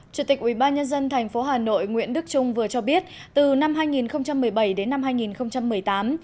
chủ tịch ubnd tp hà nội nguyễn đức trung vừa cho biết từ năm hai nghìn một mươi bảy đến năm hai nghìn một mươi tám